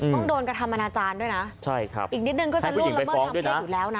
ต้องโดนกระทำอนาจารย์ด้วยนะใช่ครับอีกนิดนึงก็จะล่วงละเมิดทางเพศอยู่แล้วนะ